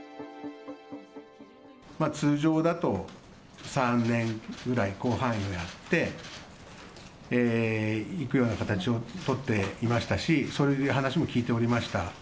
通常だと３年ぐらい甲板員をやっていくような形を取っていましたし、そういう話も聞いておりました。